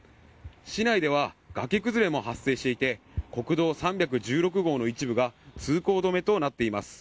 市内では崖崩れも発生していて国道３１６号の一部が通行止めとなっています。